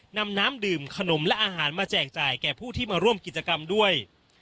นำน้ำดื่มขนมและอาหารมาแจกจ่ายแก่ผู้ที่มาร่วมกิจกรรมด้วย